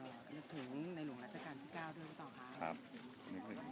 นึกถึงในหลวงราชการที่๙ด้วยหรือเปล่าคะ